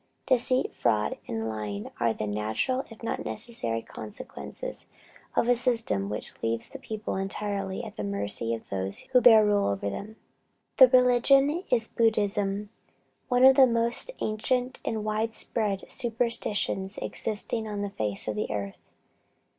Deceit, fraud and lying are the natural, if not necessary consequences of a system which leaves the people entirely at the mercy of those who bear rule over them. The religion is Buddhism, one of the most ancient and wide spread superstitions existing on the face of the earth.